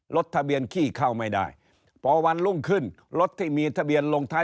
รถทะเบียนขี้เข้าไม่ได้พอวันรุ่งขึ้นรถที่มีทะเบียนลงท้าย